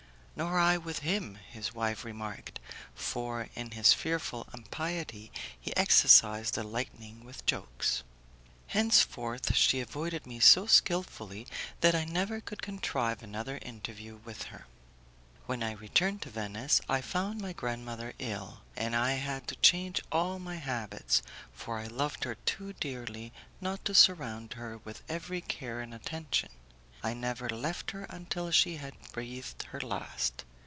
"Nor I with him," his wife remarked, "for, in his fearful impiety, he exorcised the lightning with jokes." Henceforth she avoided me so skilfully that I never could contrive another interview with her. When I returned to Venice I found my grandmother ill, and I had to change all my habits, for I loved her too dearly not to surround her with every care and attention; I never left her until she had breathed her last.